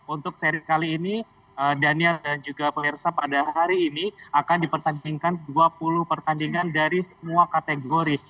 untuk seri kali ini daniel dan juga pemirsa pada hari ini akan dipertandingkan dua puluh pertandingan dari semua kategori